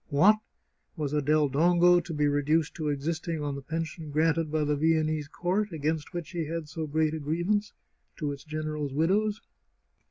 What ! Was a Del Dongo to be re duced to existing on the pension granted by the Viennese court, against which he had so great a grievance, to its gen erals' widows?